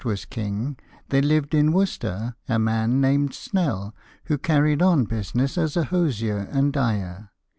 was king, there lived in Worcester a man named Snell, who carried on business as a hosier and dyer.